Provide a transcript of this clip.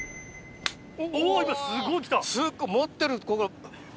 すごい持ってるここが。